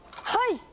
はい！